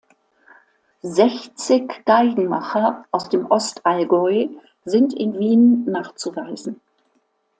Sechzig Geigenmacher aus dem Ostallgäu sind in Wien nachzuweisen.